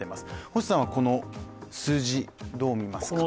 星さんはこの数字、どう見ますか。